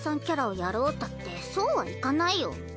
キャラをやろうったってそうはいかないお！